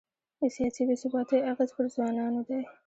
د سیاسي بې ثباتۍ اغېز پر ځوانانو دی.